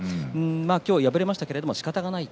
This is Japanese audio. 今日、敗れましたけれどしかたがない。